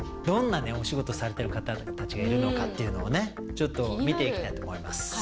どんなねお仕事されてる方達がいるのかっていうのをねちょっと見ていきたいと思います